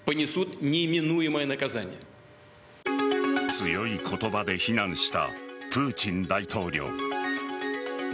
強い言葉で非難したプーチン大統領。